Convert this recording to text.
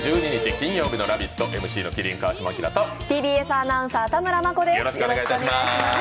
金曜日の「ラヴィット！」、ＭＣの麒麟・川島明とＴＢＳアナウンサー田村真子です。